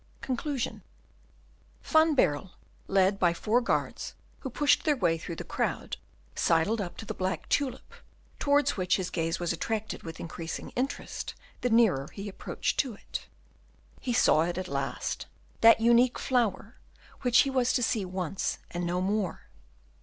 Conclusion Van Baerle, led by four guards, who pushed their way through the crowd, sidled up to the black tulip, towards which his gaze was attracted with increasing interest the nearer he approached to it. He saw it at last, that unique flower, which he was to see once and no more.